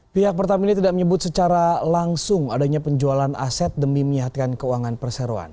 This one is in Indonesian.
pihak pertamina tidak menyebut secara langsung adanya penjualan aset demi menyehatkan keuangan perseroan